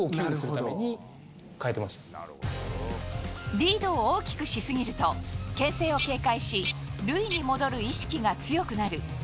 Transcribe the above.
リードを大きくしすぎると牽制を警戒し塁に戻る意識が強くなる。